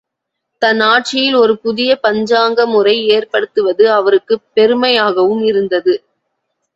தன் ஆட்சியில் ஒரு புதிய பஞ்சாங்க முறை ஏற்படுத்துவது அவருக்குப் பெருமையாகவும் இருந்தது.